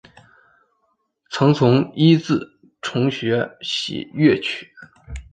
曾从尹自重学习粤曲。